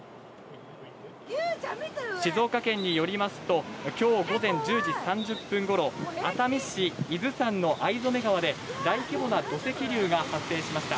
静岡県によりますと、きょう午前１０時３０分ごろ、熱海市伊豆山のあいぞめ川で、大規模な土石流が発生しました。